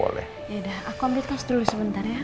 yaudah aku ambil tos dulu sebentar ya